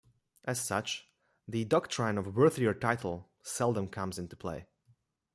As such, the doctrine of worthier title seldom comes into play.